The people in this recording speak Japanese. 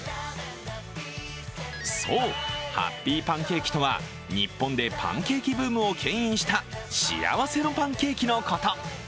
そう、ハッピーパンケーキとは日本でパンケーキブームをけん引した幸せのパンケーキのこと。